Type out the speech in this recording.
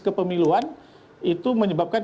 kepemiluan itu menyebabkan